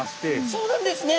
そうなんですね。